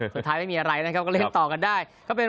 สุดท้ายไม่มีอะไรก็เล่นต่อกันได้